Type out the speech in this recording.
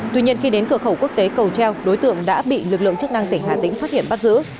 tuy nhiên khi đến cửa khẩu quốc tế cầu treo đối tượng đã bị lực lượng chức năng tỉnh hà tĩnh phát hiện bắt giữ